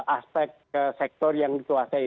aspek sektor yang dituasai